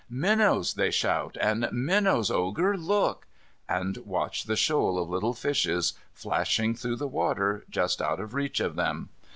"Minnows!" they shout, and "Minnows, Ogre, look!" and watch the shoal of little fishes flashing through the water just out of reach of them.